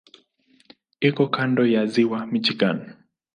Iko kando ya Ziwa Michigan.